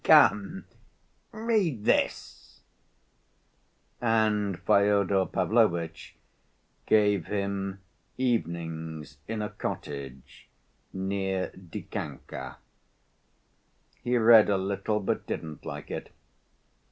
Come, read this," and Fyodor Pavlovitch gave him Evenings in a Cottage near Dikanka. He read a little but didn't like it.